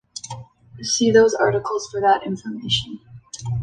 See those articles for that information.